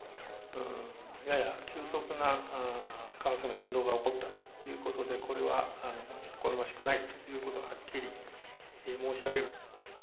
やや急速な為替の変動が起こったということで、これは好ましくないということで、はっきり申し上げる。